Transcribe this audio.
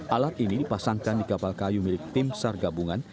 alat ini dipasangkan di kapal kayu milik tim sar gabungan